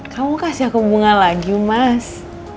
kamu kasih aku bunga lagi mas